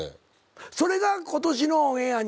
それが今年のオンエアに。